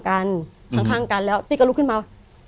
กันข้างกันแล้วตี้ก็ลุกขึ้นมา